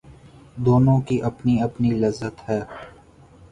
دونوں کی اپنی اپنی لذت ہے